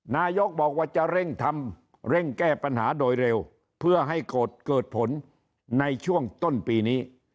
นายกบอกว่าจะเร่งทำเร่งแก้ปัญหาโดยเร็วเพื่อให้เกิดผลในช่วงต้นปีนี้